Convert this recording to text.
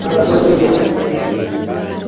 Kweli wewe wastahili